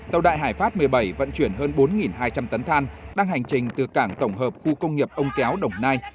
tàu đại hải pháp một mươi bảy vận chuyển hơn bốn hai trăm linh tấn than đang hành trình từ cảng tổng hợp khu công nghiệp ông kéo đồng nai